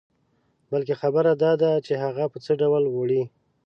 بلکې خبره داده چې هغه په څه ډول وړې.